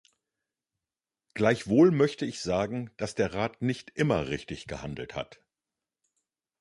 Gleichwohl möchte ich sagen, dass der Rat nicht immer richtig gehandelt hat.